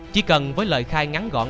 chỉ cần với lời khai ngắn gọn